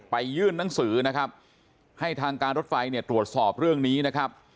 ยื่นหนังสือนะครับให้ทางการรถไฟเนี่ยตรวจสอบเรื่องนี้นะครับ